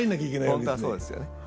本当はそうなんですよね。